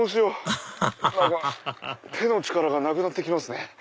アハハ手の力がなくなってきますね。